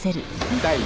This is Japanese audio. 見たい？